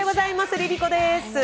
ＬｉＬｉＣｏです。